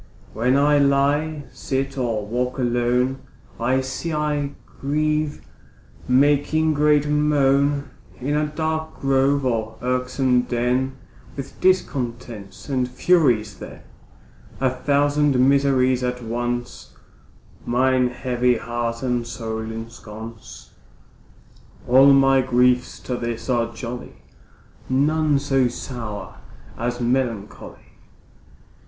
When I lie, sit, or walk alone, I sigh, I grieve, making great moan, In a dark grove, or irksome den, With discontents and Furies then, A thousand miseries at once Mine heavy heart and soul ensconce, All my griefs to this are jolly, None so sour as melancholy.